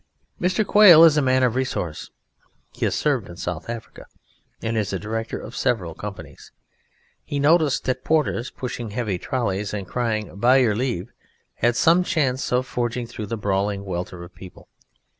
Mr. Quail is a man of resource; he has served in South Africa, and is a director of several companies. He noticed that porters pushing heavy trollies and crying "By your leave" had some chance of forging through the brawling welter of people.